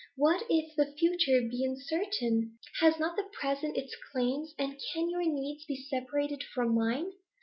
What if the future be uncertain? Has not the present its claims, and can your needs be separated from mine?